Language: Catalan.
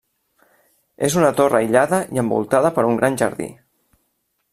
És una torre aïllada i envoltada per un gran jardí.